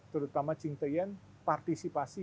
terutama cingteyen partisipasi